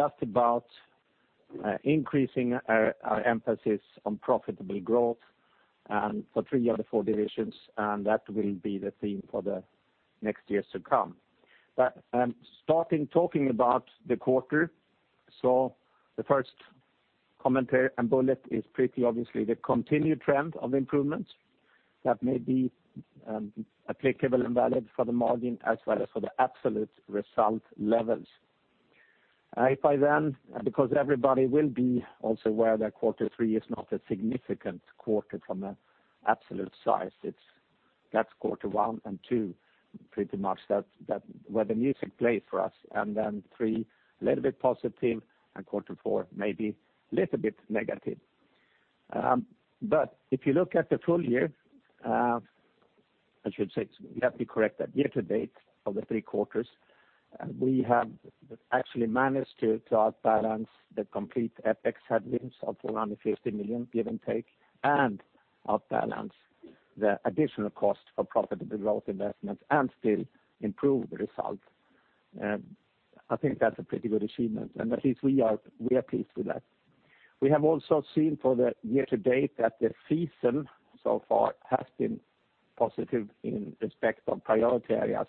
Just about increasing our emphasis on profitable growth for three of the four divisions, that will be the theme for the next years to come. Starting talking about the quarter. The first commentary and bullet is pretty obviously the continued trend of improvements that may be applicable and valid for the margin as well as for the absolute result levels. If I then, because everybody will be also aware that quarter three is not a significant quarter from an absolute size. That is quarter one and two, pretty much where the music plays for us, and then three, a little bit positive, and quarter four, maybe a little bit negative. If you look at the full year, I should say, we have to correct that year to date of the three quarters, we have actually managed to outbalance the complete FX headwinds of 450 million, give and take, and outbalance the additional cost for profitable growth investments and still improve the result. I think that is a pretty good achievement, and at least we are pleased with that. We have also seen for the year to date that the season so far has been positive in respect of priority areas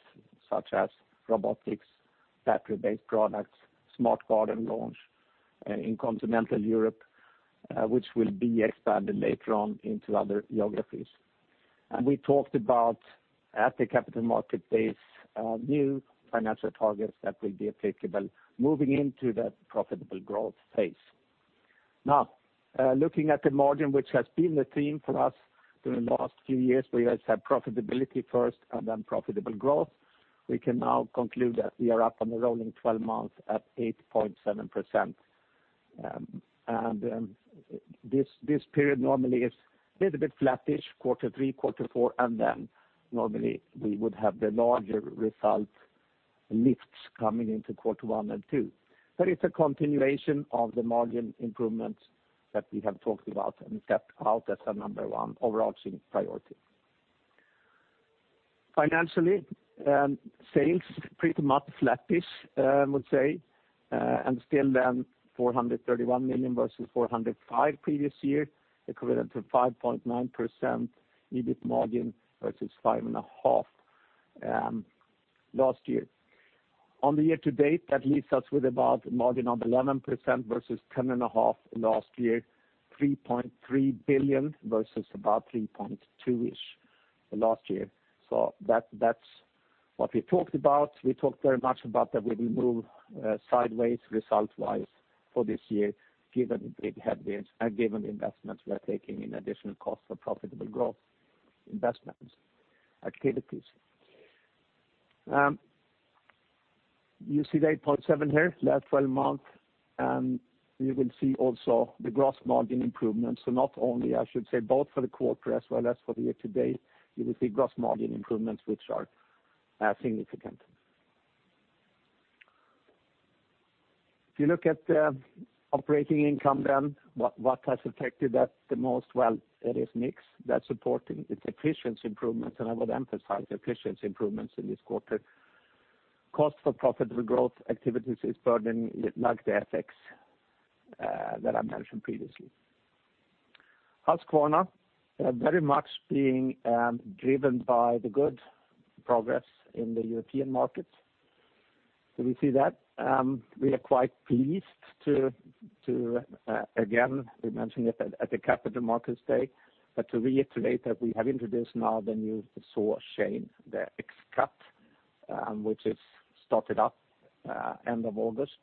such as robotics, battery-based products, GARDENA smart system launch in continental Europe, which will be expanded later on into other geographies. We talked about, at the Capital Markets Day, new financial targets that will be applicable moving into the profitable growth phase. Now, looking at the margin, which has been the theme for us during the last few years, where we have profitability first and then profitable growth, we can now conclude that we are up on a rolling 12 months at 8.7%. This period normally is a little bit flattish, quarter three, quarter four, and then normally we would have the larger result lifts coming into quarter one and two. It is a continuation of the margin improvements that we have talked about and set out as our number one overarching priority. Financially, sales pretty much flattish, I would say, and still then 431 million versus 405 previous year, equivalent to 5.9% EBIT margin versus 5.5% last year. On the year to date, that leaves us with about a margin of 11% versus 10.5% last year, 3.3 billion versus about 3.2-ish last year. That is what we talked about. We talked very much about that we will move sideways result-wise for this year, given the big headwinds and given the investments we are taking in additional costs for profitable growth investments activities. You see the 8.7% here, last 12 month, you will see also the gross margin improvements. Not only, I should say both for the quarter as well as for the year to date, you will see gross margin improvements which are significant. If you look at the operating income then, what has affected that the most? Well, it is mix that is supporting it is efficiency improvements, and I would emphasize efficiency improvements in this quarter. Cost for profitable growth activities is burden like the FX that I mentioned previously. Husqvarna very much being driven by the good progress in the European markets. We see that. We are quite pleased to, again, we mentioned it at the Capital Markets Day, but to reiterate that we have introduced now the new saw chain, the X-CUT, which has started up end of August.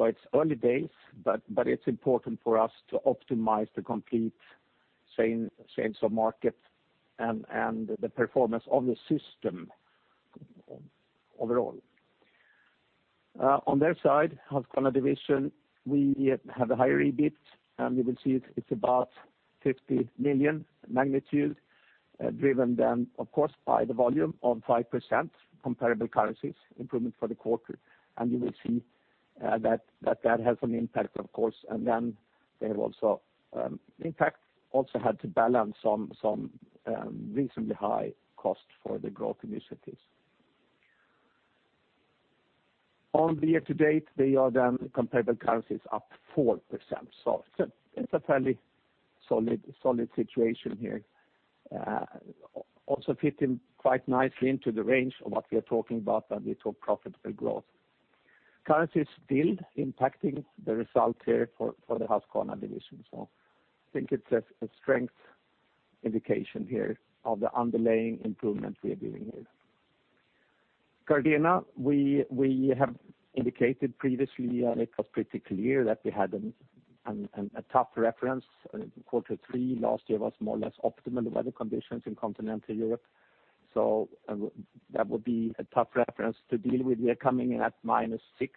It's early days, but it's important for us to optimize the complete sales of market and the performance of the system overall. On their side, Husqvarna division, we have a higher EBIT, and you will see it's about 50 million magnitude, driven, of course, by the volume of 5% comparable currencies improvement for the quarter. You will see that has an impact, of course. They have also, in fact, also had to balance some reasonably high cost for the growth initiatives. On the year-to-date, they are then comparable currencies up 4%. It's a fairly solid situation here. Fitting quite nicely into the range of what we are talking about when we talk profitable growth. Currency is still impacting the result here for the Husqvarna division. I think it's a strength indication here of the underlying improvement we are giving here. Gardena, we have indicated previously, and it was pretty clear that we had a tough reference. Quarter three last year was more or less optimal weather conditions in continental Europe. That would be a tough reference to deal with. We are coming in at -6.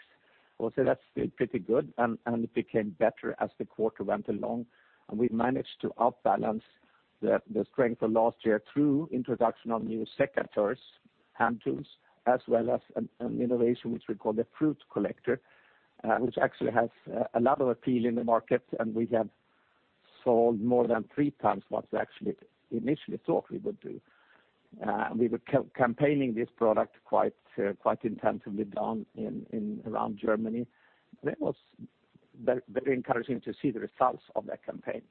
I would say that's still pretty good, and it became better as the quarter went along, and we managed to outbalance the strength of last year through introduction of new secateurs, hand tools, as well as an innovation which we call the Fruit Collector, which actually has a lot of appeal in the market, and we have sold more than three times what we initially thought we would do. We were campaigning this product quite intensively around Germany. It was very encouraging to see the results of that campaign.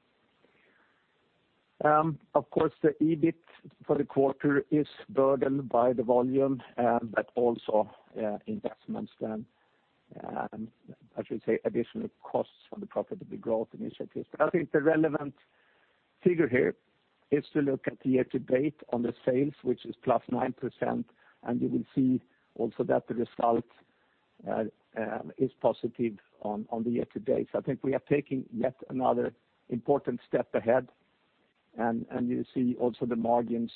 Of course, the EBIT for the quarter is burdened by the volume, but also investments, I should say additional costs from the profitable growth initiatives. I think the relevant figure here is to look at the year-to-date on the sales, which is +9%, and you will see also that the result is positive on the year-to-date. I think we are taking yet another important step ahead, and you see also the margins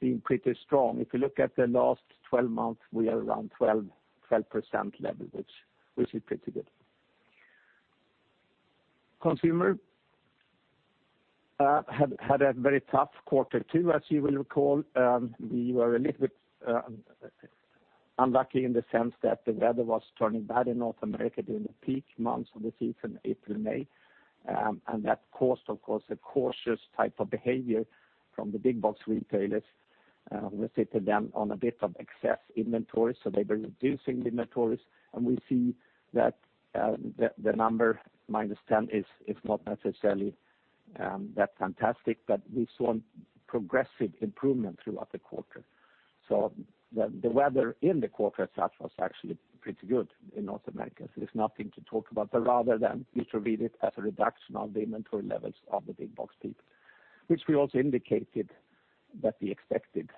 being pretty strong. If you look at the last 12 months, we are around 12% level, which is pretty good. Consumer had a very tough Quarter two, as you will recall. That caused, of course, a cautious type of behavior from the big box retailers, who are sitting down on a bit of excess inventory, so they were reducing inventories. We see that the number -10 is not necessarily that fantastic, but we saw progressive improvement throughout the quarter. The weather in the quarter itself was actually pretty good in North America. It's nothing to talk about, rather than you should read it as a reduction of the inventory levels of the big box people, which we also indicated that we expected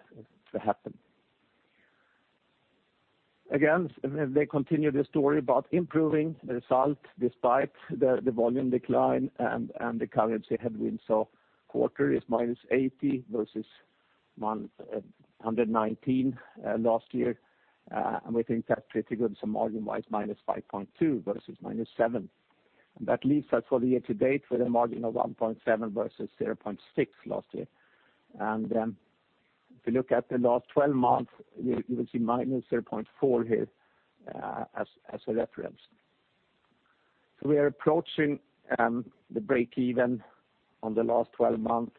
to happen. They continue the story about improving the result despite the volume decline and the currency headwinds. Quarter is -80 versus 119 last year, and we think that's pretty good. Margin-wise, -5.2% versus -7%. That leaves us for the year-to-date with a margin of 1.7% versus 0.6% last year. If you look at the last 12 months, you will see -0.4% here as a reference. We are approaching the break-even on the last 12 months,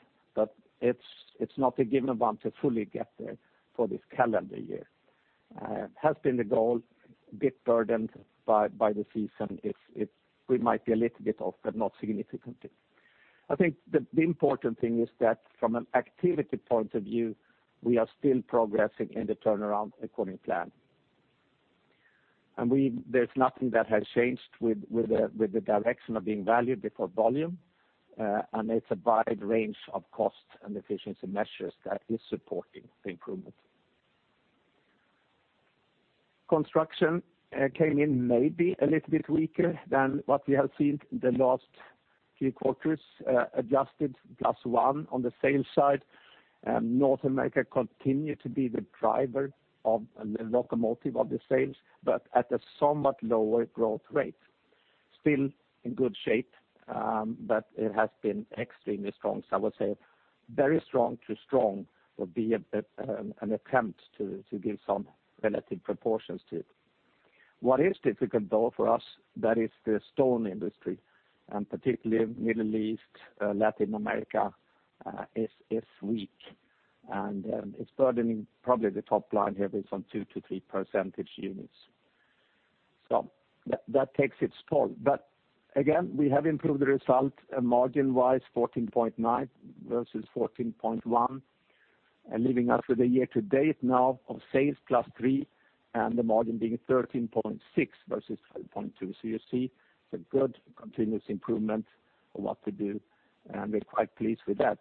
but it's not a given one to fully get there for this calendar year. It has been the goal, a bit burdened by the season. We might be a little bit off, but not significantly. I think the important thing is that from an activity point of view, we are still progressing in the turnaround according to plan. There's nothing that has changed with the direction of being value before volume, and it's a wide range of cost and efficiency measures that is supporting the improvement. Construction came in maybe a little bit weaker than what we have seen in the last few quarters, adjusted +1% on the sales side. North America continued to be the driver of the locomotive of the sales, but at a somewhat lower growth rate. Still in good shape, but it has been extremely strong. I would say very strong to strong would be an attempt to give some relative proportions to it. What is difficult though for us, that is the stone industry, and particularly Middle East, Latin America is weak, and it's burdening probably the top line here with some 2-3 percentage points. That takes its toll. We have improved the result margin-wise, 14.9% versus 14.1%, and leaving us with a year-to-date now of sales +3%, and the margin being 13.6% versus 12.2%. You see it's a good continuous improvement of what we do, and we're quite pleased with that.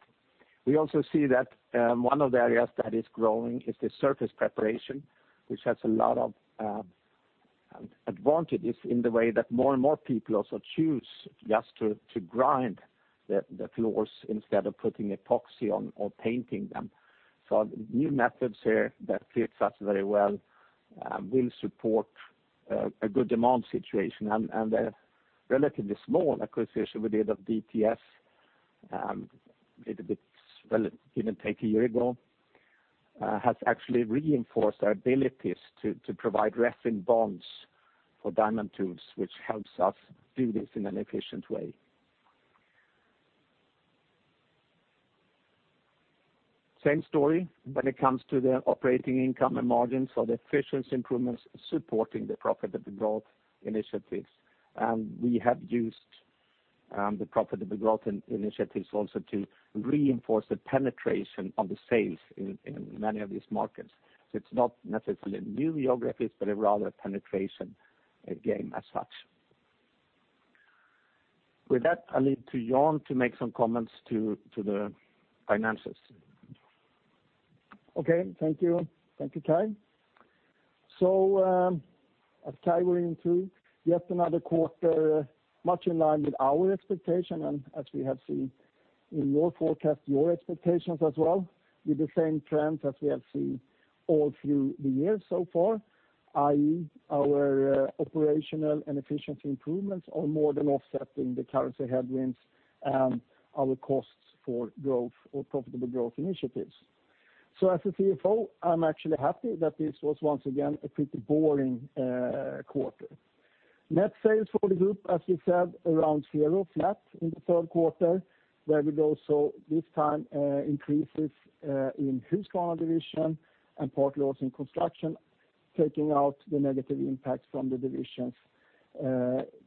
We also see that one of the areas that is growing is the surface preparation, which has a lot of advantages in the way that more and more people also choose just to grind the floors instead of putting epoxy on or painting them. New methods here that fit us very well will support a good demand situation. The relatively small acquisition we did of DTS, it didn't take a year ago, has actually reinforced our abilities to provide resin bonds for diamond tools, which helps us do this in an efficient way. Same story when it comes to the operating income and margins. The efficiency improvements supporting the profitable growth initiatives. We have used the profitable growth initiatives also to reinforce the penetration of the sales in many of these markets. It's not necessarily new geographies, but rather a penetration game as such. With that, I leave to Jan to make some comments to the finances. Thank you, Kai. As Kai went into, yet another quarter, much in line with our expectation, and as we have seen in your forecast, your expectations as well, with the same trends as we have seen all through the year so far, i.e., our operational and efficiency improvements are more than offsetting the currency headwinds and our costs for growth or profitable growth initiatives. As a CFO, I'm actually happy that this was once again a pretty boring quarter. Net sales for the group, as we said, around zero, flat in the third quarter, where we've also this time increases in Husqvarna Division and partly also in Construction, taking out the negative impact from the divisions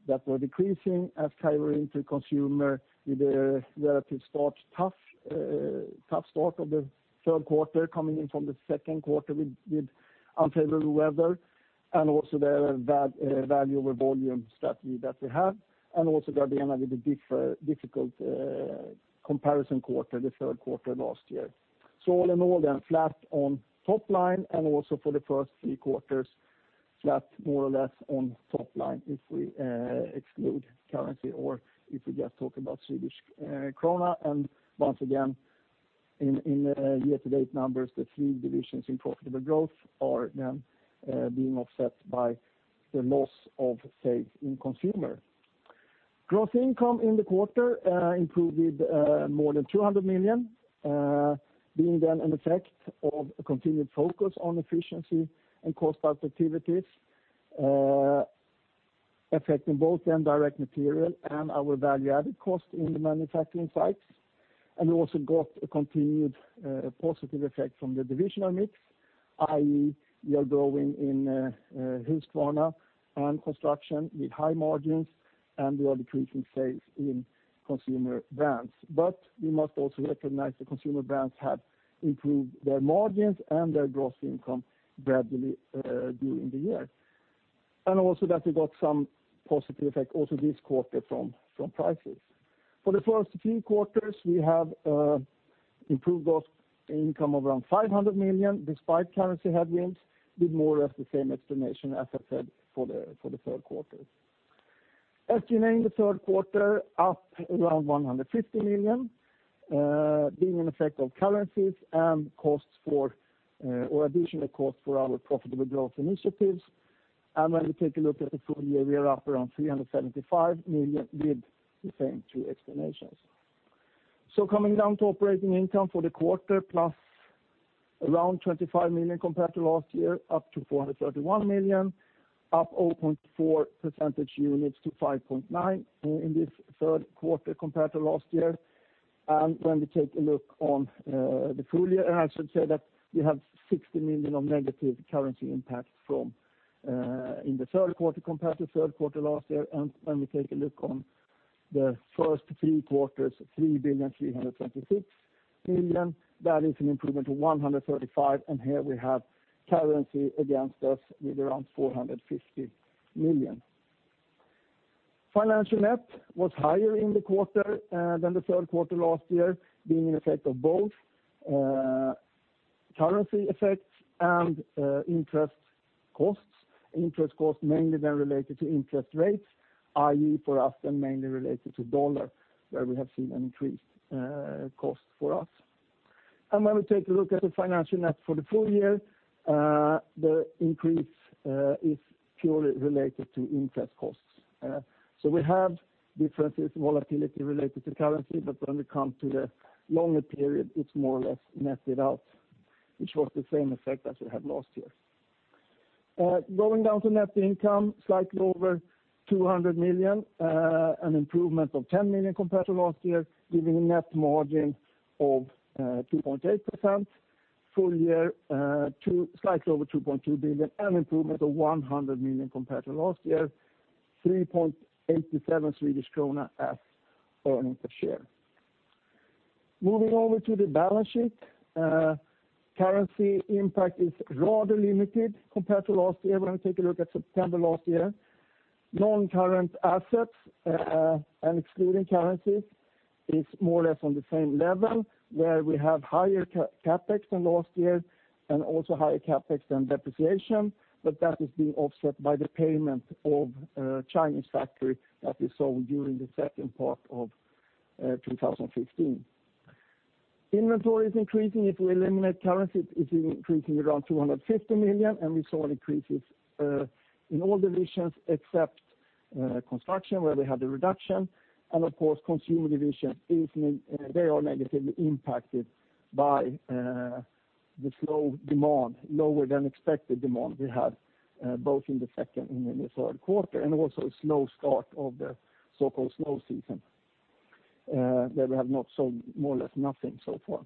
that were decreasing as favoring to consumer with a relative tough start of the third quarter coming in from the second quarter with unfavorable weather and also the bad value over volume that we have, and also Gardena with a difficult comparison quarter, the third quarter last year. All in all, flat on top line and also for the first three quarters, flat more or less on top line if we exclude currency or if we just talk about Swedish krona. Once again, in year-to-date numbers, the three divisions in profitable growth are being offset by the loss of sales in consumer. Gross income in the quarter improved with more than 200 million, being an effect of a continued focus on efficiency and cost out activities, affecting both the direct material and our value-added cost in the manufacturing sites. We also got a continued positive effect from the divisional mix, i.e., we are growing in Husqvarna and Construction with high margins, and we are decreasing sales in Consumer Brands. We must also recognize the Consumer Brands have improved their margins and their gross income gradually during the year. Also that we got some positive effect also this quarter from prices. For the first three quarters, we have improved gross income of around 500 million despite currency headwinds, with more or less the same explanation as I said for the third quarter. As you know, in the third quarter, up around 150 million, being an effect of currencies and additional cost for our profitable growth initiatives. When we take a look at the full year, we are up around 375 million with the same two explanations. Coming down to operating income for the quarter, plus around 25 million compared to last year, up to 431 million, up 0.4 percentage units to 5.9% in this third quarter compared to last year. When we take a look on the full year, I should say that we have 60 million of negative currency impact in the third quarter compared to third quarter last year. When we take a look on the first three quarters, 3.326 billion, that is an improvement of 135, and here we have currency against us with around 450 million. Financial net was higher in the quarter than the third quarter last year, being an effect of both currency effects and interest costs. Interest costs mainly related to interest rates, i.e., for us mainly related to USD, where we have seen an increased cost for us. When we take a look at the financial net for the full year, the increase is purely related to interest costs. We have differences in volatility related to currency, but when we come to the longer period, it's more or less netted out, which was the same effect as we had last year. Going down to net income, slightly over 200 million, an improvement of 10 million compared to last year, giving a net margin of 2.8%. Full year, slightly over 2.2 billion, an improvement of 100 million compared to last year, 3.87 Swedish krona as earnings per share. Moving over to the balance sheet. Currency impact is rather limited compared to last year. When we take a look at September last year, non-current assets and excluding currencies is more or less on the same level, where we have higher CapEx than last year and also higher CapEx than depreciation, but that is being offset by the payment of a Chinese factory that we sold during the second part of 2016. Inventory is increasing. If we eliminate currency, it is increasing around 250 million, and we saw increases in all divisions except Construction, where we had a reduction. Of course, consumer division, they are negatively impacted by the slow demand, lower than expected demand we had both in the second and third quarter, and also a slow start of the so-called slow season, where we have more or less nothing so far.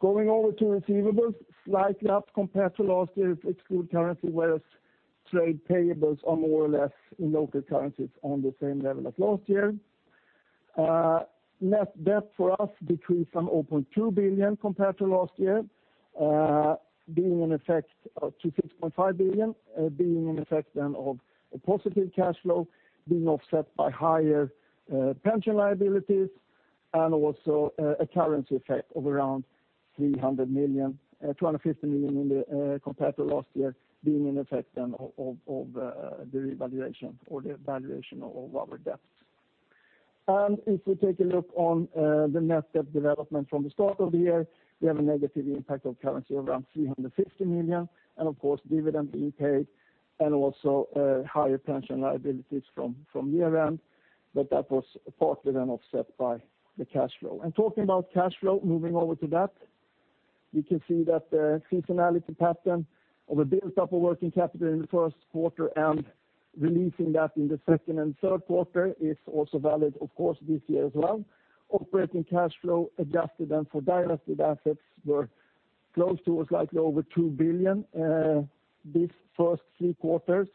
Going over to receivables, slightly up compared to last year if we exclude currency, whereas trade payables are more or less in local currencies on the same level as last year. Net debt for us decreased from 0.2 billion compared to last year to 6.5 billion, being an effect of a positive cash flow being offset by higher pension liabilities and also a currency effect of around 250 million compared to last year, being an effect of the revaluation or the valuation of our debts. If we take a look on the net debt development from the start of the year, we have a negative impact of currency of around 350 million. Of course, dividend being paid and also higher pension liabilities from year-end, but that was partly offset by the cash flow. Talking about cash flow, moving over to that. You can see that the seasonality pattern of a build-up of working capital in the first quarter and releasing that in the second and third quarter is also valid, of course, this year as well. Operating cash flow adjusted and for divested assets were close to or slightly over 2 billion this first three quarters,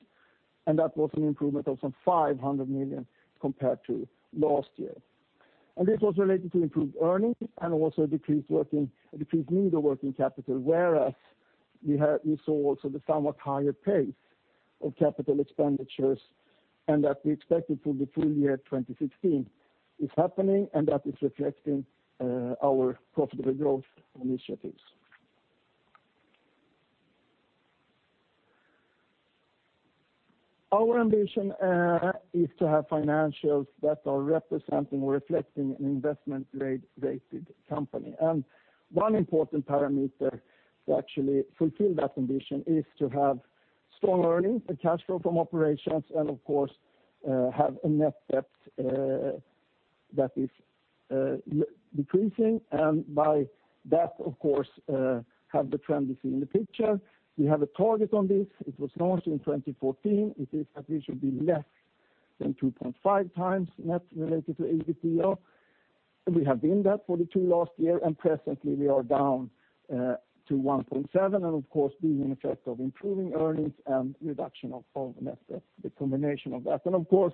and that was an improvement of some 500 million compared to last year. This was related to improved earnings and also a decreased need of working capital, whereas we saw also the somewhat higher pace of capital expenditures and that we expected through the full year 2016 is happening, and that is reflecting our profitable growth initiatives. Our ambition is to have financials that are representing or reflecting an investment-graded company. One important parameter to actually fulfill that ambition is to have strong earnings and cash flow from operations and, of course, have a net debt that is decreasing, and by that, of course, have the trend you see in the picture. We have a target on this. It was launched in 2014. It is that we should be less than 2.5 times net related to EBITDA. We have been that for the two last year, and presently we are down to 1.7, and of course, being an effect of improving earnings and reduction of net debt, the combination of that. Of course,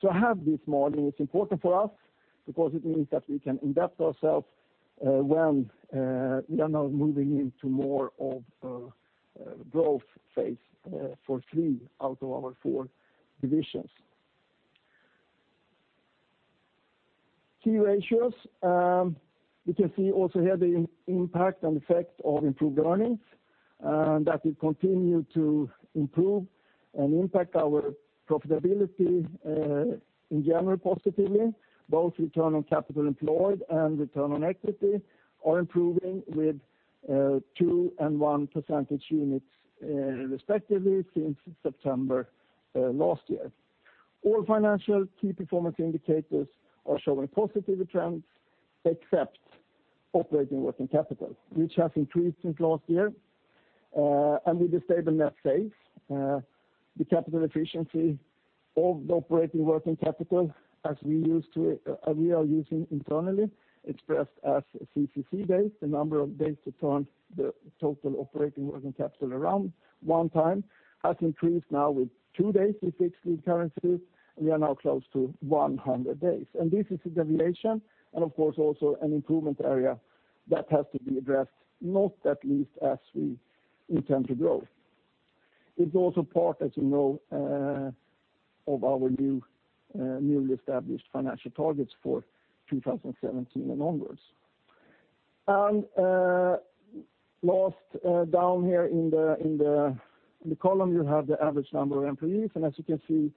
to have this margin is important for us because it means that we can indebt ourselves when we are now moving into more of a growth phase for three out of our four divisions. Key ratios. You can see also here the impact and effect of improved earnings, and that will continue to improve and impact our profitability in general positively, both return on capital employed and return on equity are improving with two and one percentage units, respectively, since September last year. All financial key performance indicators are showing positive trends except operating working capital, which has increased since last year, and with a stable net sales. The capital efficiency of the operating working capital as we are using internally, expressed as CCC days, the number of days to turn the total operating working capital around one time, has increased now with two days with fixed currencies, and we are now close to 100 days. This is a deviation, and of course, also an improvement area that has to be addressed, not at least as we intend to grow. It's also part, as you know, of our newly established financial targets for 2017 and onwards. Last down here in the column, you have the average number of employees, and as you can see,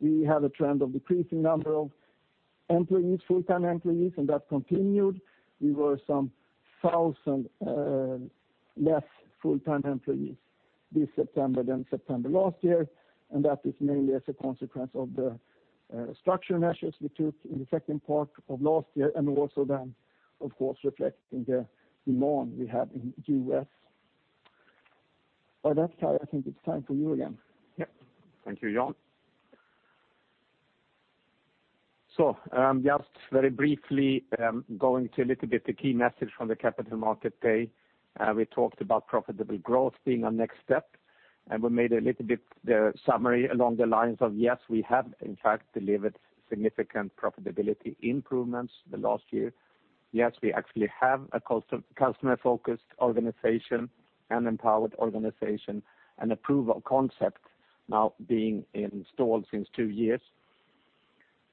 we have a trend of decreasing number of full-time employees, and that continued. We were some thousand less full-time employees this September than September last year, and that is mainly as a consequence of the structure measures we took in the second part of last year and also then, of course, reflecting the demand we have in U.S. That's why I think it's time for you again. Yep. Thank you, Jan. Just very briefly, going to a little bit the key message from the Capital Markets Day. We talked about profitable growth being our next step, and we made a little bit the summary along the lines of yes, we have in fact delivered significant profitability improvements the last year. Yes, we actually have a customer-focused organization, an empowered organization, and approval concept now being installed since two years.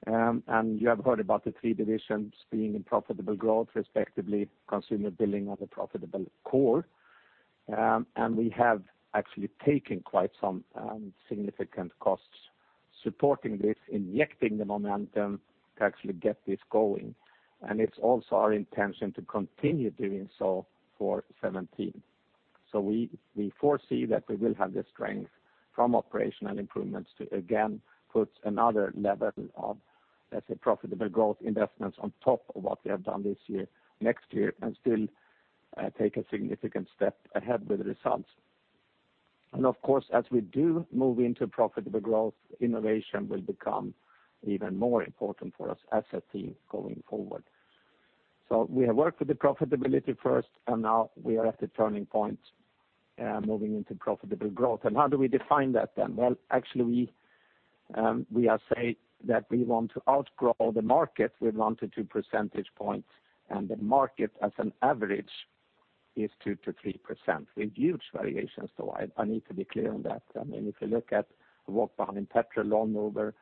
You have heard about the three divisions being in profitable growth, respectively, Consumer Brands building on the profitable core. We have actually taken quite some significant costs supporting this, injecting the momentum to actually get this going. It is also our intention to continue doing so for 2017. We foresee that we will have the strength from operational improvements to again put another level of, let's say, profitable growth investments on top of what we have done this year, next year, and still take a significant step ahead with the results. Of course, as we do move into profitable growth, innovation will become even more important for us as a team going forward. We have worked with the profitability first, and now we are at the turning point, moving into profitable growth. How do we define that then? Well, actually we are saying that we want to outgrow the market with one to two percentage points, and the market as an average is 2%-3% with huge variations. I need to be clear on that. If you look at walk behind petrol lawnmower,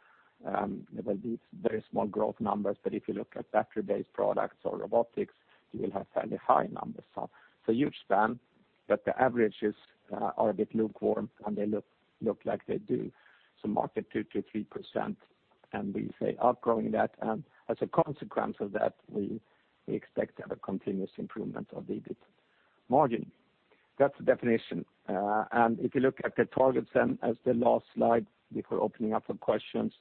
there will be very small growth numbers, but if you look at battery-based products or robotics, you will have fairly high numbers. Huge span, but the averages are a bit lukewarm, and they look like they do. Market 2%-3%, and we say outgrowing that, and as a consequence of that, we expect to have a continuous improvement of the EBIT margin. That's the definition. If you look at the targets then as the last slide before opening up for questions.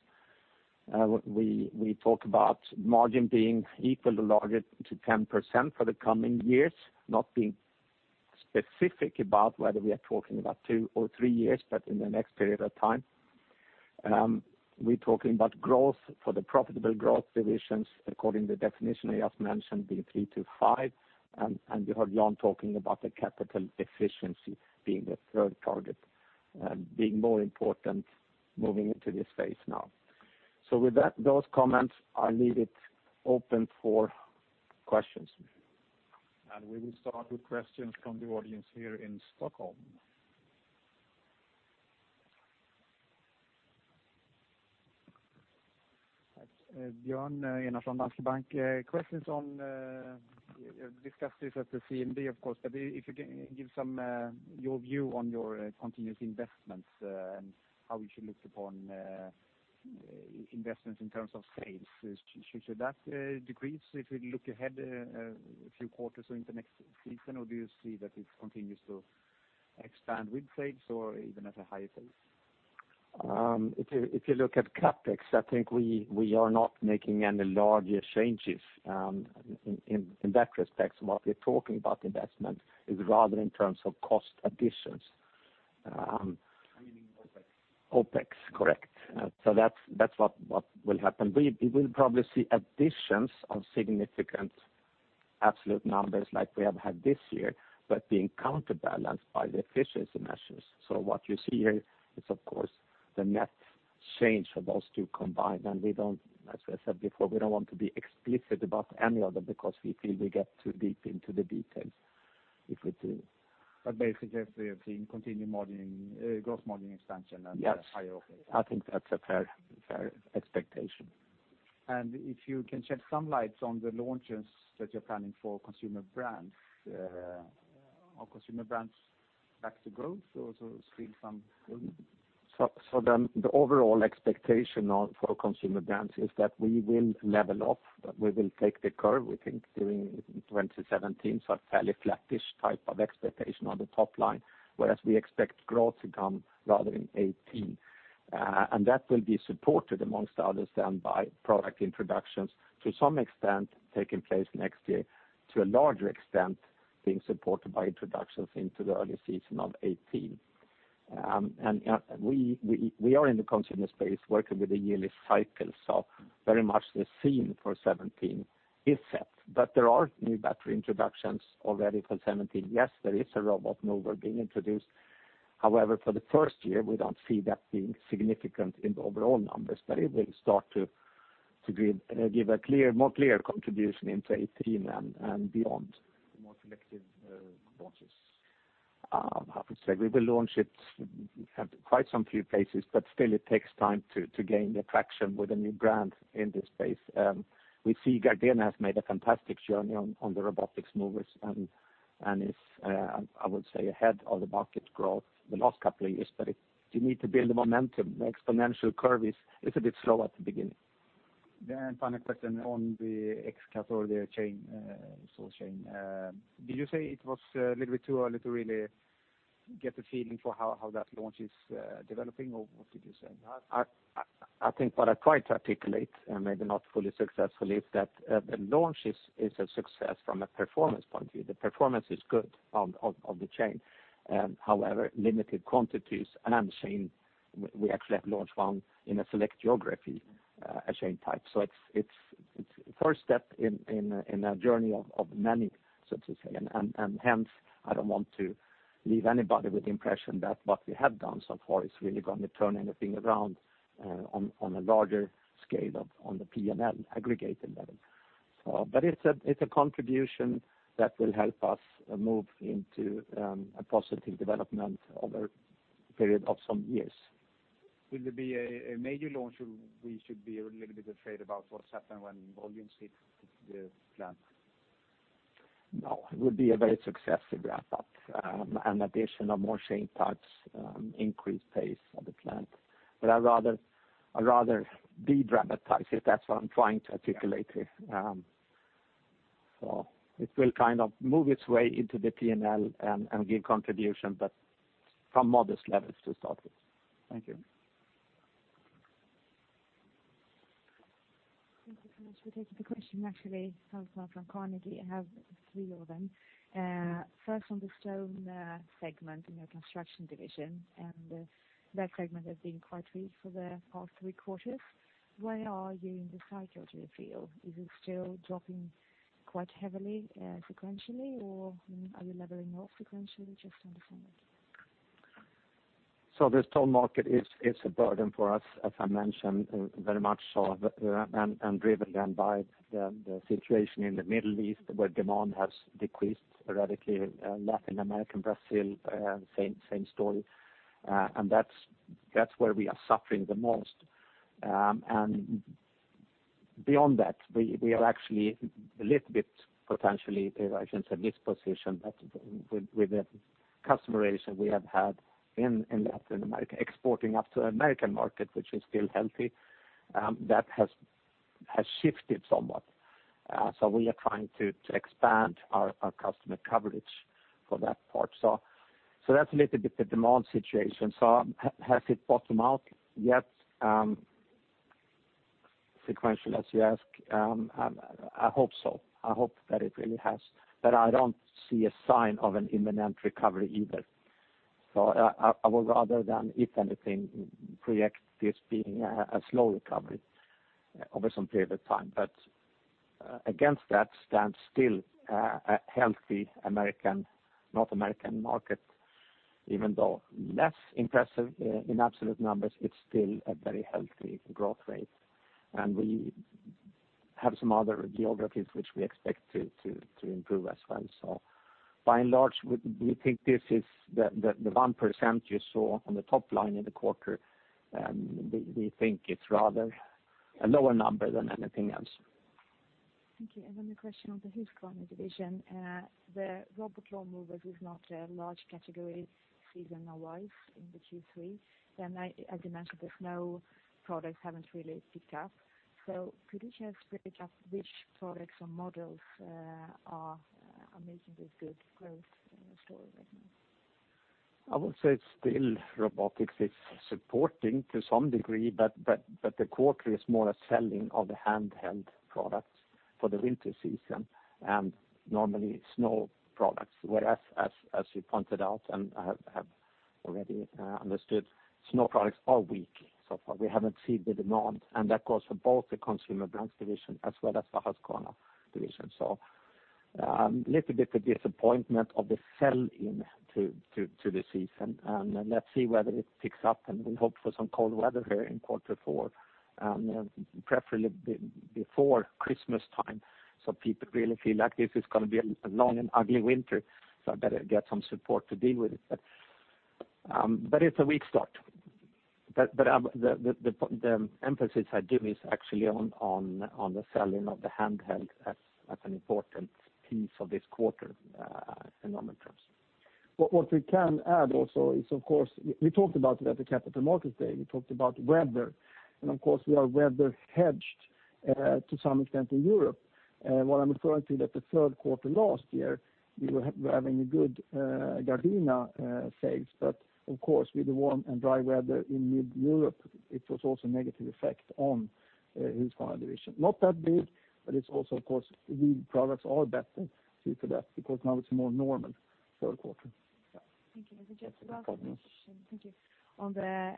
We talk about margin being equally larger to 10% for the coming years, not being specific about whether we are talking about two or three years, but in the next period of time. We're talking about growth for the profitable growth divisions, according to the definition I just mentioned, being three to five, and you heard Jan talking about the capital efficiency being the third target, being more important moving into this phase now. With those comments, I leave it open for questions. We will start with questions from the audience here in Stockholm. Thanks. Björn, Bank. Questions on, you discussed this at the CMD of course, but if you can give your view on your continuous investments, how we should look upon investments in terms of sales. Should that decrease if we look ahead a few quarters or in the next season? Do you see that it continues to expand with sales or even at a higher pace? If you look at CapEx, I think we are not making any larger changes in that respect. What we are talking about investment is rather in terms of cost additions. You mean OpEx? OpEx, correct. That's what will happen. We will probably see additions of significant absolute numbers like we have had this year, but being counterbalanced by the efficiency measures. What you see here is, of course, the net change for those two combined, as I said before, we don't want to be explicit about any of them, because we feel we get too deep into the details if we do. Basically, seeing continued gross margin expansion and. Yes higher OpEx. I think that's a fair expectation. If you can shed some light on the launches that you're planning for Consumer Brands. Are Consumer Brands back to growth or still some ? The overall expectation for Consumer Brands is that we will level off, but we will take the curve, we think, during 2017, a fairly flattish type of expectation on the top line, whereas we expect growth to come rather in 2018. That will be supported amongst others, and by product introductions to some extent taking place next year, to a larger extent being supported by introductions into the early season of 2018. We are in the consumer space working with a yearly cycle, very much the scene for 2017 is set, but there are new battery introductions already for 2017. Yes, there is a robot mower being introduced. However, for the first year, we don't see that being significant in the overall numbers. It will start to give a more clear contribution into 2018 and beyond. More selective launches. How to say? We will launch it at quite some few places, but still it takes time to gain traction with a new brand in this space. We see Gardena has made a fantastic journey on the robotic mowers, and is, I would say, ahead of the market growth the last couple of years. You need to build the momentum. The exponential curve is a bit slow at the beginning. Final question on the X-CUT or the saw chain. Did you say it was a little bit too early to really get a feeling for how that launch is developing, or what did you say? I think what I tried to articulate, maybe not fully successfully, is that the launch is a success from a performance point of view. The performance is good on the chain. However, limited quantities, and we actually have launched one in a select geography, a chain type. It's first step in a journey of many, so to say, and hence, I don't want to leave anybody with the impression that what we have done so far is really going to turn anything around on a larger scale on the P&L aggregated level. It's a contribution that will help us move into a positive development over a period of some years. Will there be a major launch we should be a little bit afraid about what's happening when volumes hit the plant? No, it would be a very successive ramp-up. An addition of more chain types, increased pace of the plant. I'd rather de-dramatize it. That's what I'm trying to articulate here. It will move its way into the P&L and give contribution, but from modest levels to start with. Thank you. Thank you so much for taking the question, actually. Salma from Carnegie. I have three of them. First on the stone segment in your Construction division. That segment has been quite weak for the past three quarters. Where are you in the cycle, do you feel? Is it still dropping quite heavily sequentially, or are you leveling off sequentially? Just to understand that. The stone market is a burden for us, as I mentioned, very much so, driven then by the situation in the Middle East where demand has decreased radically. Latin America and Brazil, same story. That's where we are suffering the most. Beyond that, we are actually a little bit potentially, I shouldn't say, mispositioned, but with the customer relation we have had in Latin America, exporting up to the American market, which is still healthy. That has shifted somewhat. We are trying to expand our customer coverage for that part. That's a little bit the demand situation. Has it bottomed out yet? Sequentially, as you ask, I hope so. I hope that it really has. I don't see a sign of an imminent recovery either. I would rather, if anything, project this being a slow recovery over some period of time. Against that stands still a healthy North American market, even though less impressive in absolute numbers, it's still a very healthy growth rate. We have some other geographies which we expect to improve as well. By and large, we think the 1% you saw on the top line in the quarter, we think it's rather a lower number than anything else. Thank you. Then a question on the Husqvarna division. The robot mowers is not a large category seasonal-wise in the Q3. As you mentioned, the snow products haven't really picked up. Could you share a split of which products or models are making this good growth story right now? I would say still robotics is supporting to some degree, the quarter is more a selling of the handheld products for the winter season, normally snow products. Whereas, as you pointed out, and I have already understood, snow products are weak so far. We haven't seen the demand, that goes for both the Consumer Brands division as well as the Husqvarna division. A little bit of disappointment of the sell-in to the season, let's see whether it picks up, we hope for some cold weather here in quarter four, preferably before Christmas time, so people really feel like this is going to be a long and ugly winter, I better get some support to deal with it. It's a weak start. The emphasis I give is actually on the selling of the handheld as an important piece of this quarter in volume terms. What we can add also is, of course, we talked about it at the Capital Markets Day, we talked about weather. Of course, we are weather-hedged to some extent in Europe. What I'm referring to that the third quarter last year, we were having a good Gardena sales, but of course, with the warm and dry weather in mid-Europe, it was also a negative effect on Husqvarna Division. Not that big, but it's also, of course, weed products are better suited for that because now it's a more normal third quarter. Thank you. Yes. Just one quick question. Thank you. On the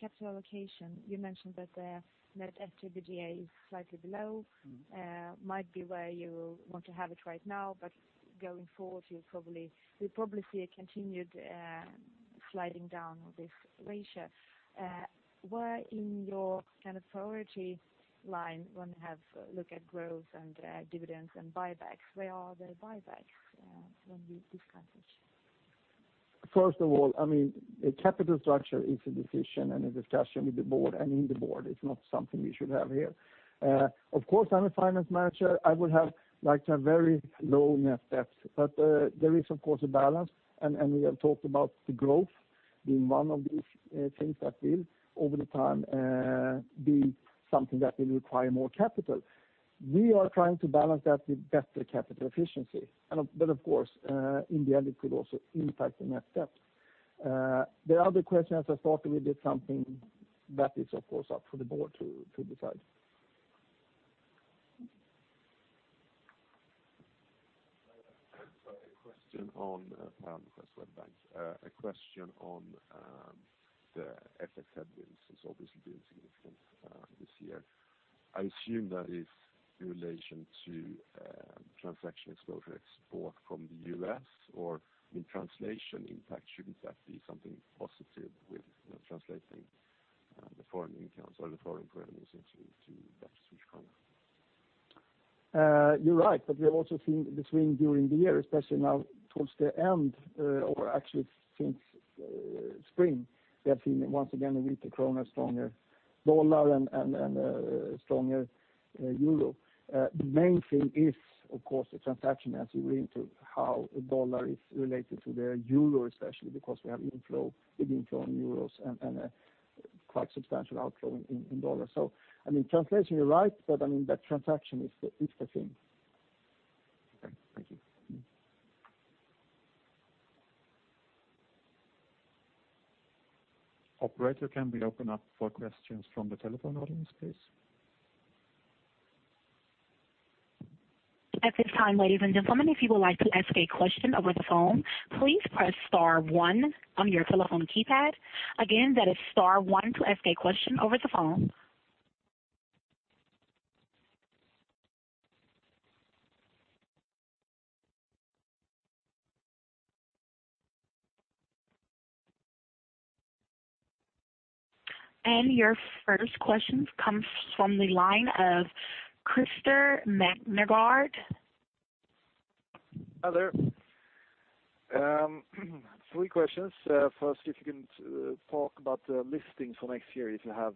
capital allocation, you mentioned that the net debt to EBITDA is slightly below, might be where you want to have it right now, but going forward, we'll probably see a continued sliding down of this ratio. Where in your kind of priority line when you have a look at growth and dividends and buybacks, where are the buybacks when you discuss this? First of all, capital structure is a decision and a discussion with the board and in the board. It's not something we should have here. Of course, I'm a finance manager. I would have liked to have very low net debt, there is, of course, a balance, and we have talked about the growth being one of these things that will, over time, be something that will require more capital. We are trying to balance that with better capital efficiency. Of course, in the end, it could also impact the net debt. The other question, as I thought, we did something that is, of course, up for the board to decide. A question on the FX headwinds. It's obviously been significant this year. I assume that is in relation to transaction exposure export from the U.S., or in translation impact, shouldn't that be something positive with translating the foreign earnings into Swedish krona? You're right, we have also seen between during the year, especially now towards the end or actually since spring, we have seen once again a weaker krona, stronger dollar, and a stronger euro. The main thing is, of course, the transaction as you read into how the dollar is related to the euro, especially because we have big inflow in euros and a quite substantial outflow in dollar. In translation, you're right, but that transaction is the thing. Okay. Thank you. Operator, can we open up for questions from the telephone audience, please? At this time, ladies and gentlemen, if you would like to ask a question over the phone, please press star one on your telephone keypad. Again, that is star one to ask a question over the phone. Your first question comes from the line of Christer Magnergård. Hi there. Three questions. First, if you can talk about the listings for next year, if you have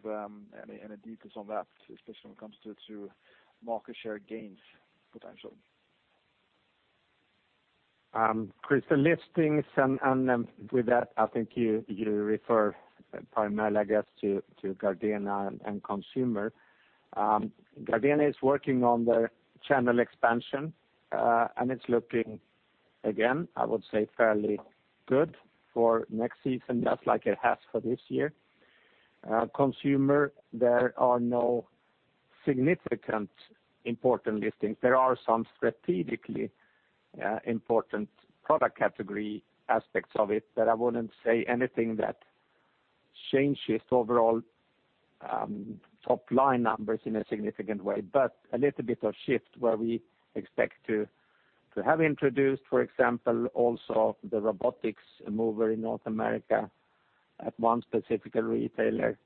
any details on that, especially when it comes to market share gains potential. Christer listings, with that, I think you refer primarily, I guess, to Gardena and consumer. Gardena is working on their channel expansion, and it's looking, again, I would say fairly good for next season, just like it has for this year. Consumer, there are no significant important listings. There are some strategically important product category aspects of it that I wouldn't say anything that changes overall top-line numbers in a significant way, but a little bit of shift where we expect to have introduced, for example, also the robot mower in North America at one specific retailer,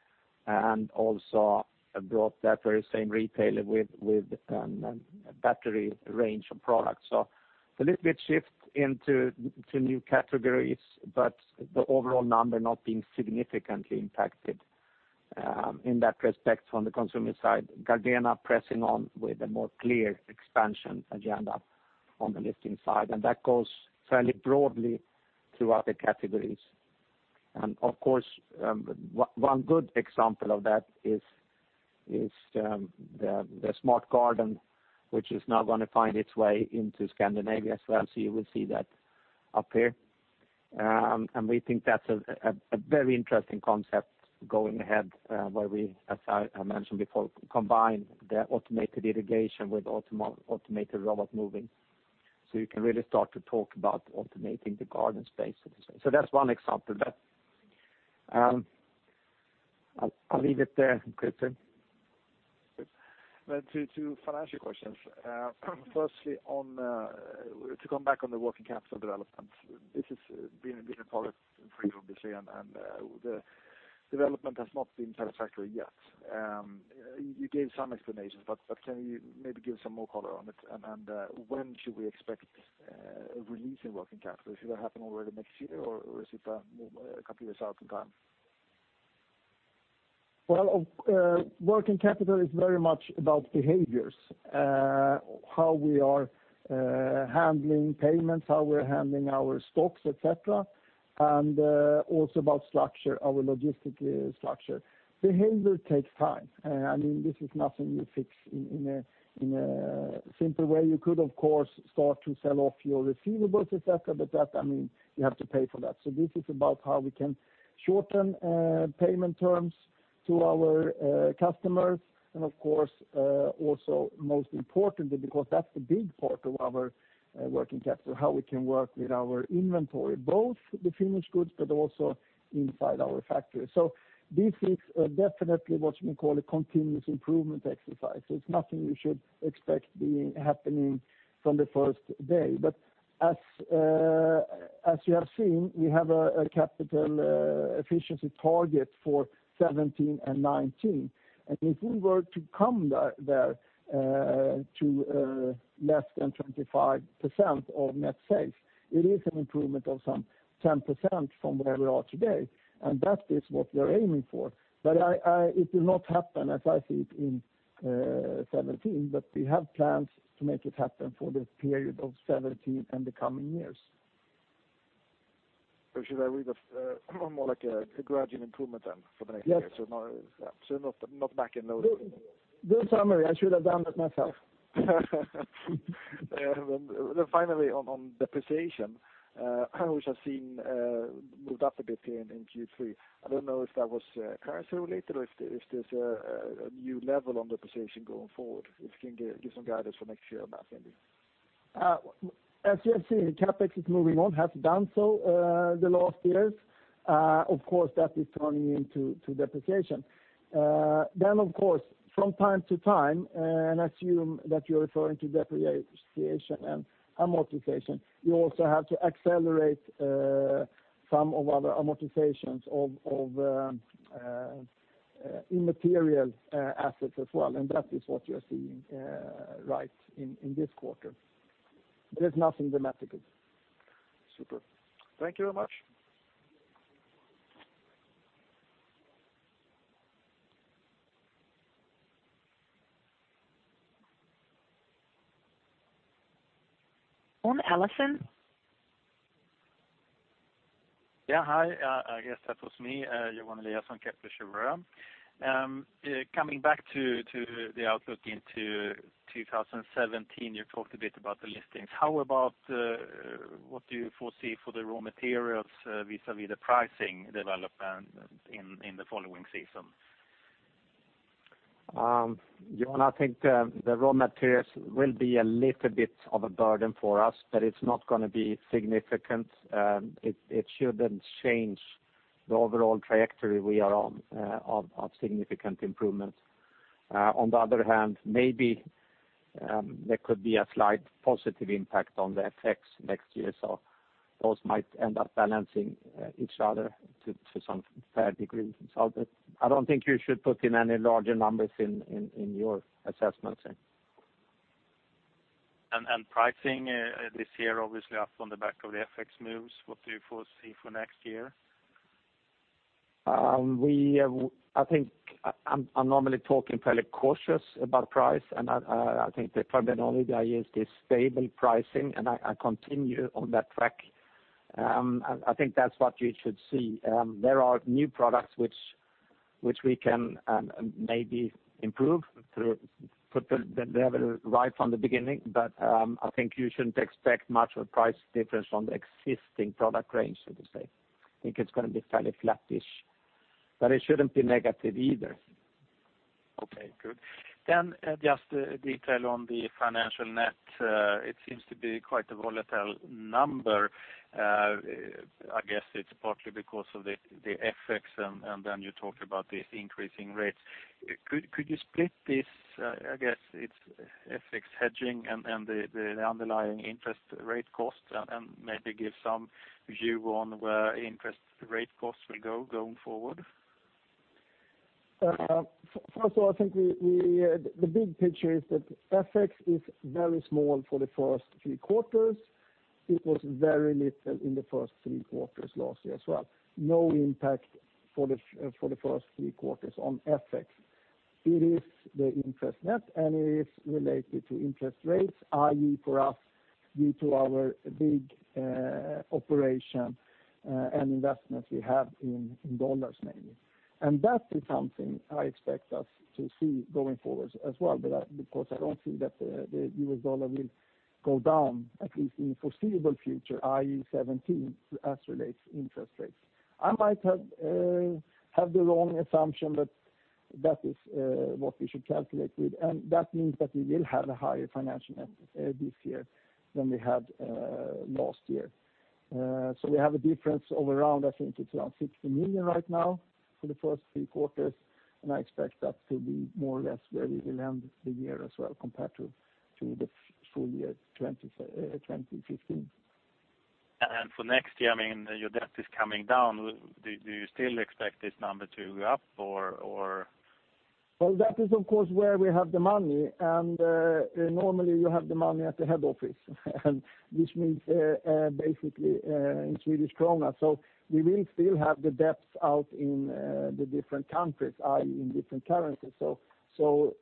and also brought that very same retailer with a battery range of products. A little bit shift into new categories, but the overall number not being significantly impacted in that respect from the consumer side. Gardena pressing on with a more clear expansion agenda on the listing side, that goes fairly broadly throughout the categories. Of course, one good example of that is the GARDENA smart system, which is now going to find its way into Scandinavia as well. You will see that up here. We think that's a very interesting concept going ahead, where we, as I mentioned before, combine the automated irrigation with automated robot mower. You can really start to talk about automating the garden space, so to say. That's one example, but I'll leave it there, Christer. Good. To financial questions. Firstly, to come back on the working capital development. This has been a bit of a problem for you, obviously, and the development has not been satisfactory yet. You gave some explanations, but can you maybe give some more color on it? When should we expect a release in working capital? Should that happen already next year, or is it a couple of years out in time? Well, working capital is very much about behaviors. How we are handling payments, how we're handling our stocks, et cetera, and also about structure, our logistical structure. Behavior takes time. This is nothing you fix in a simple way. You could, of course, start to sell off your receivables, et cetera, but you have to pay for that. This is about how we can shorten payment terms to our customers, and of course, also most importantly, because that's the big part of our working capital, how we can work with our inventory, both the finished goods, but also inside our factory. This is definitely what you may call a continuous improvement exercise. It's nothing you should expect happening from the first day. As you have seen, we have a capital efficiency target for 2017 and 2019. If we were to come there to less than 25% of net sales, it is an improvement of some 10% from where we are today, and that is what we are aiming for. It will not happen as I see it in 2017, but we have plans to make it happen for the period of 2017 and the coming years. Should I read of more like a gradual improvement then for the next year? Yes. Not back in those- Good summary. I should have done that myself. Finally, on depreciation, which has moved up a bit here in Q3. I don't know if that was currency related or if there's a new level on depreciation going forward. If you can give some guidance for next year, that would be handy. As you have seen, CapEx is moving on, has done so the last years. Of course, that is turning into depreciation. Then, of course, from time to time, and I assume that you are referring to depreciation and amortization, you also have to accelerate some of other amortizations of immaterial assets as well, and that is what you are seeing right in this quarter. There is nothing dramatic. Super. Thank you very much. On Eliason. Yeah, hi. I guess that was me. Johan Eliason on Kepler Cheuvreux. Coming back to the outlook into 2017, you talked a bit about the listings. How about what do you foresee for the raw materials vis-a-vis the pricing development in the following season? Johan, I think the raw materials will be a little bit of a burden for us, but it's not going to be significant. It shouldn't change the overall trajectory we are on of significant improvement. On the other hand, maybe there could be a slight positive impact on the FX next year, so those might end up balancing each other to some fair degree. I don't think you should put in any larger numbers in your assessments. Pricing this year, obviously up on the back of the FX moves. What do you foresee for next year? I think I'm normally talking fairly cautious about price, and I think the primary idea is this stable pricing, and I continue on that track. I think that's what you should see. There are new products which we can maybe improve to put the level right from the beginning, but I think you shouldn't expect much of a price difference from the existing product range, so to say. I think it's going to be fairly flattish, but it shouldn't be negative either. Okay, good. Just a detail on the financial net. It seems to be quite a volatile number. I guess it's partly because of the FX, and then you talked about the increasing rates. Could you split this, I guess it's FX hedging, and the underlying interest rate cost, and maybe give some view on where interest rate costs will go going forward? First of all, I think the big picture is that FX is very small for the first three quarters. It was very little in the first three quarters last year as well. No impact for the first three quarters on FX. It is the interest net. It is related to interest rates, i.e., for us due to our big operation and investments we have in U.S. dollars mainly. That is something I expect us to see going forward as well, because I don't think that the U.S. dollar will go down, at least in foreseeable future, i.e., 2017, as relates interest rates. I might have the wrong assumption, but that is what we should calculate with. That means that we will have a higher financial net this year than we had last year. We have a difference of around, I think it's around 60 million right now for the first three quarters. I expect that to be more or less where we will end the year as well compared to the full year 2015. For next year, I mean, your debt is coming down. Do you still expect this number to go up or? Well, that is of course where we have the money. Normally you have the money at the head office and which means basically in Swedish krona. We will still have the debts out in the different countries, i.e., in different currencies.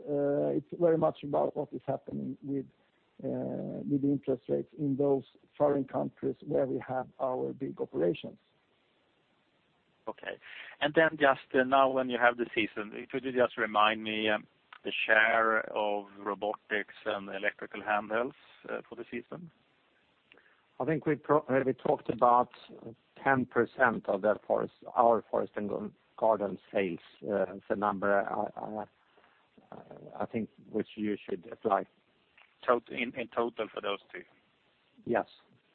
It's very much about what is happening with interest rates in those foreign countries where we have our big operations. Okay. Just now when you have the season, could you just remind me the share of robotics and electrical handhelds for the season? I think we talked about 10% of our forest and garden sales. It's a number I think which you should apply. In total for those two? Yes.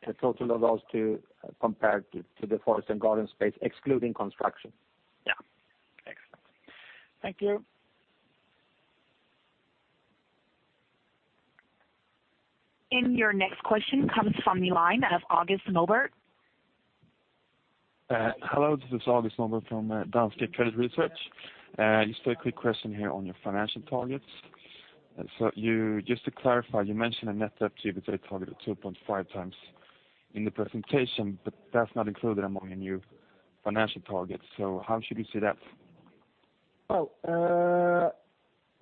The total of those two compared to the forest and garden space excluding construction. Yeah. Excellent. Thank you. Your next question comes from the line of August Milbert. Hello, this is August Milbert from Danske Credit Research. Just a quick question here on your financial targets. To clarify, you mentioned a net debt-to-EBITDA target of 2.5x in the presentation, but that's not included among your new financial targets, so how should we see that? The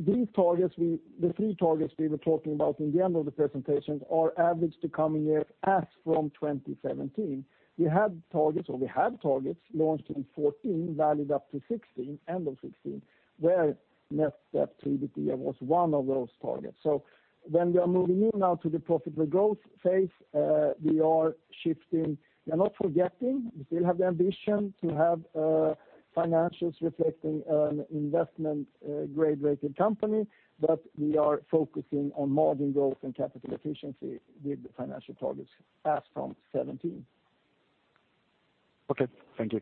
three targets we were talking about in the end of the presentation are average to coming year as from 2017. We had targets or we have targets launched in 2014, valued up to end of 2016, where net debt-to-EBITDA was one of those targets. When we are moving in now to the profitable growth phase, we are shifting. We are not forgetting, we still have the ambition to have financials reflecting an investment grade-rated company, but we are focusing on margin growth and capital efficiency with the financial targets as from 2017. Okay. Thank you.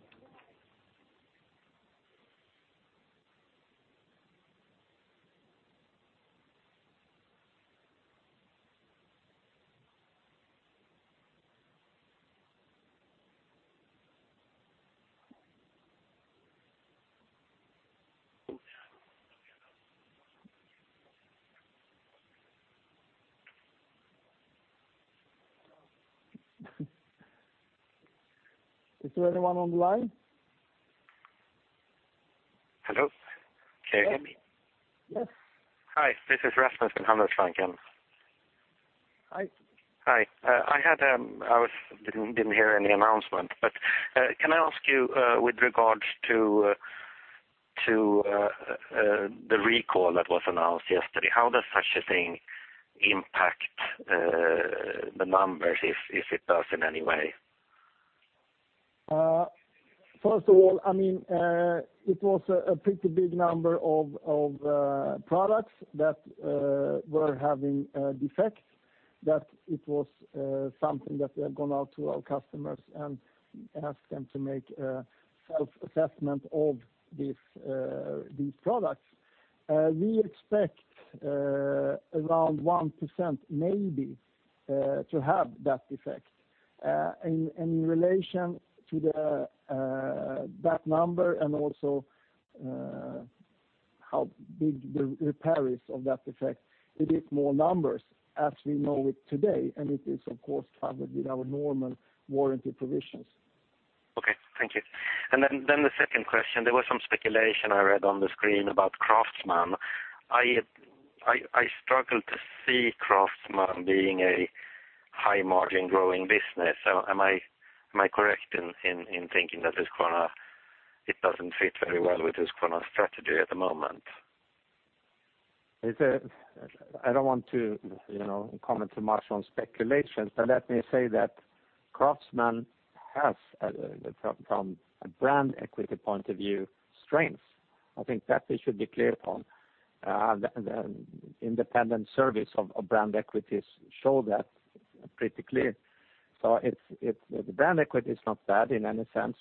Is there anyone on the line? Hello. Can you hear me? Yes. Hi, this is Rasmus from Handelsbanken. Hi. Hi. I didn't hear any announcement, can I ask you with regards to the recall that was announced yesterday, how does such a thing impact the numbers if it does in any way? First of all, it was a pretty big number of products that were having defects, that it was something that we have gone out to our customers and asked them to make a self-assessment of these products. We expect around 1% maybe to have that defect. In relation to that number and also how big the repair is of that defect, it is more numbers as we know it today, and it is of course covered with our normal warranty provisions. Okay. Thank you. The second question, there was some speculation I read on the screen about Craftsman. I struggle to see Craftsman being a high-margin growing business. Am I correct in thinking that it doesn't fit very well with Husqvarna strategy at the moment? I don't want to comment too much on speculation, let me say that Craftsman has, from a brand equity point of view, strengths. I think that we should be clear on. The independent surveys of brand equities show that pretty clear. The brand equity is not bad in any sense.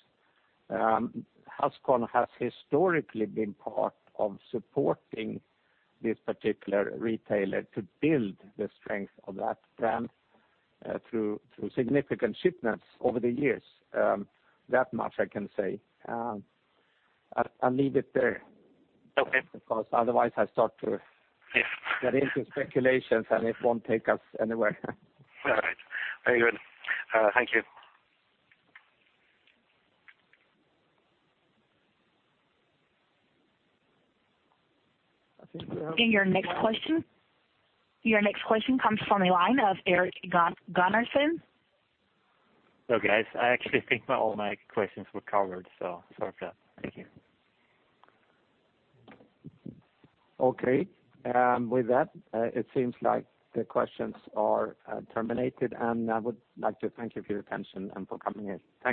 Husqvarna has historically been part of supporting this particular retailer to build the strength of that brand through significant shipments over the years. That much I can say. I'll leave it there. Okay. Otherwise I start to get into speculations, it won't take us anywhere. All right. Very good. Thank you. I think we have- Your next question comes from the line of Eric Gunnarsson. No, guys, I actually think all my questions were covered, so sorry for that. Thank you. Okay. With that, it seems like the questions are terminated, and I would like to thank you for your attention and for coming here. Thank you.